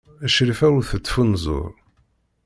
Crifa ur tettfunzur.